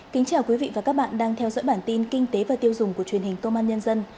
xin chào quý vị và các bạn đang theo dõi bản tin kinh tế và tiêu dùng của truyền hình tô man nhân dân